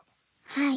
はい。